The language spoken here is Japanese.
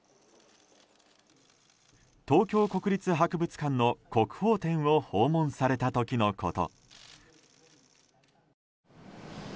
東京国立博物館の「国宝展」を訪問された時のこと。